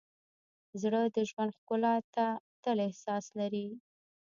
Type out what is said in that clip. زړه د ژوند ښکلا ته تل احساس لري.